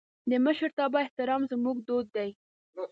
د مشرتابه احترام زموږ دود دی.